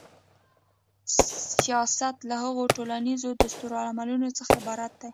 سیاست له هغو ټولیزو دستورالعملونو څخه عبارت دی.